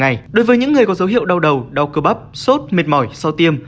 ngày đối với những người có dấu hiệu đau đầu đau cơ bắp sốt mệt mỏi sau tiêm